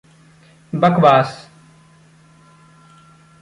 बकवास।